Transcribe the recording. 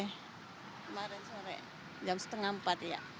kemarin sore jam setengah empat ya